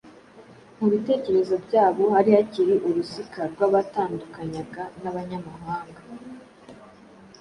Mu bitekerezo byabo hari hakiri urusika rwabatandukanyaga n’abanyamahanga